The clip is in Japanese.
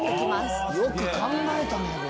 よく考えたねこれ。